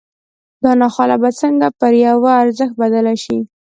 دا ناخواله به څنګه پر یوه ارزښت بدله شي